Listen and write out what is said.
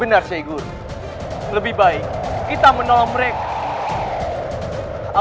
benar sey guru lebih baik kita menolong mereka